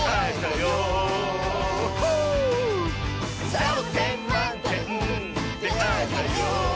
「サボテンまんてんであえたよ」